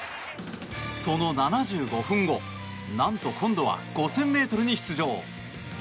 その７５分後なんと今度は５０００ｍに出場。